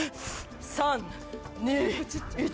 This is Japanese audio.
３・２・１！